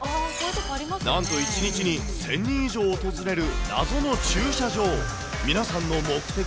なんと１日に１０００人以上訪れる謎の駐車場。